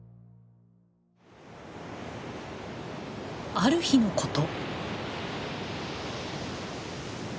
ある日のこと。